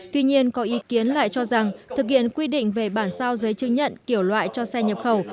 tuy nhiên có ý kiến lại cho rằng thực hiện quy định về bản sao giấy chứng nhận kiểu loại cho xe nhập khẩu